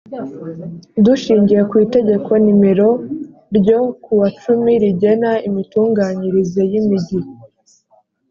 Dushingiye ku itegeko nimero ryo kuwa cumi rigena imitunganyirize yimigi